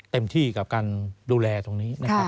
เต็มที่กับการดูแลตรงนี้